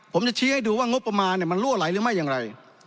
ผมจะชี้ให้ดูว่างบประมาณมันรั่วไหลหรือไม่อย่างไร